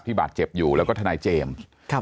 บาดเจ็บอยู่แล้วก็ทนายเจมส์